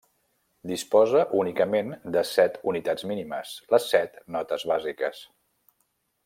Disposa únicament de set unitats mínimes: les set notes bàsiques.